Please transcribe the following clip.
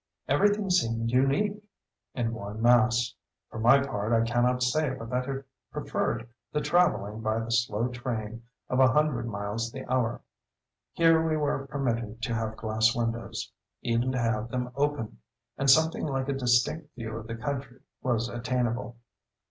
Every thing seemed unique—in one mass. For my part, I cannot say but that I preferred the travelling by the slow train of a hundred miles the hour. Here we were permitted to have glass windows—even to have them open—and something like a distinct view of the country was attainable....